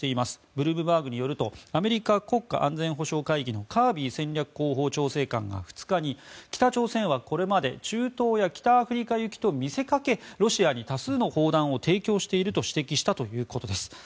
ブルームバーグによるとアメリカ国家安全保障会議のカービー戦略広報調整官が２日に北朝鮮はこれまで中東や北アフリカ行きと見せかけロシアに多数の砲弾を提供していると指摘したということです。